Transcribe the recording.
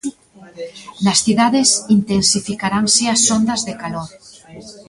Nas cidades intensificaranse as ondas de calor.